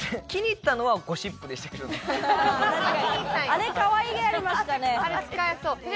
あれ可愛げありましたね。